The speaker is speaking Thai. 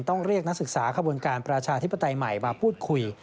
ต้องเรียกนักศึกษาขบวนการประชาธิปไตยใหม่มาพูดคุย